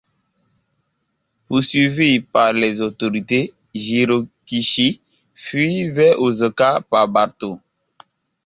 Poursuivi par les autorités, Jirokichi fuit vers Osaka par bateau.